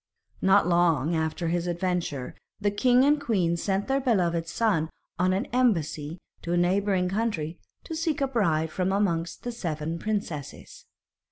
Not long after this adventure the king and queen sent their beloved son on an embassy to a neighbouring country to seek a bride from amongst the seven princesses.